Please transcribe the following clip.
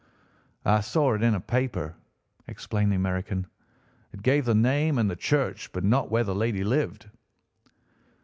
"I saw it in a paper," explained the American. "It gave the name and the church but not where the lady lived."